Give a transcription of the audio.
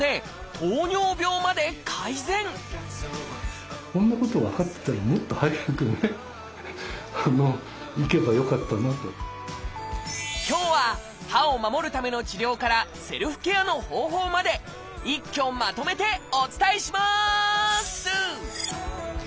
さらにこんなこと分かってたら今日は歯を守るための治療からセルフケアの方法まで一挙まとめてお伝えします！